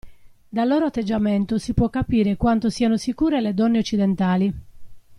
Dal loro atteggiamento si può capire quanto siano sicure le donne occidentali.